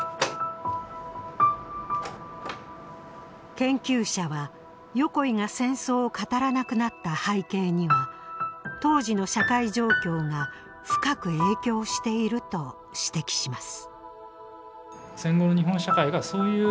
研究者は横井が戦争を語らなくなった背景には当時の社会状況が深く影響していると指摘します。